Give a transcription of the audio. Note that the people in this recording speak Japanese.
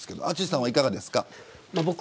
淳さんはいかがですか。